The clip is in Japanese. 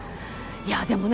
いやでもね